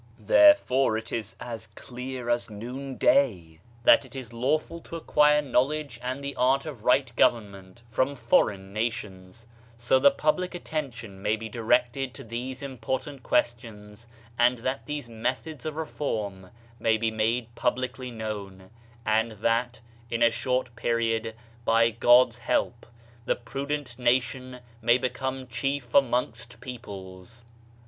Therefore it is as clear as noonday that it is lawful to acquire knowledge and the art of right government from foreign nations, so the public attention may be directed to these important ques tions and that these methods of reform may be made publicly known, and that, in a short period, by God's help, the prudent nation may become chief amongst peoples.